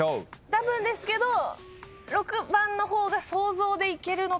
たぶんですけど６番の方が想像でいけるのかな。